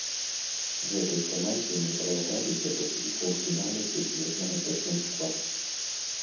Гэтай камандзе мы прайгралі летась у паўфінале сусветнага першынства.